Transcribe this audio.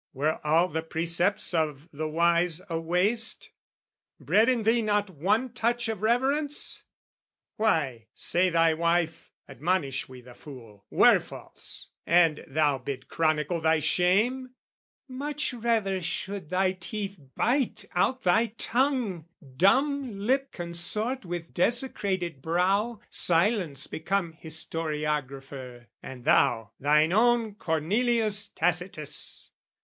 Were all the precepts of the wise a waste Bred in thee not one touch of reverence? Why, say thy wife admonish we the fool, Were false, and thou bid chronicle thy shame, Much rather should thy teeth bite out thy tongue, Dump lip consort with desecrated brow, Silence become historiographer, And thou thine own Cornelius Tacitus!